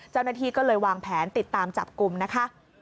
เจ้าหน้าที่ก็เลยวางแผนติดตามจับกลุ่มนะคะ